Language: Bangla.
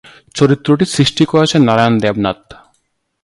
চরিত্রটি সৃষ্টি করেছেন নারায়ণ দেবনাথ।